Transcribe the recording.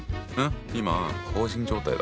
今放心状態だった。